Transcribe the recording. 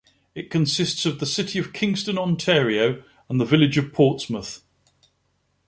It consisted of the city of Kingston, Ontario, and the village of Portsmouth.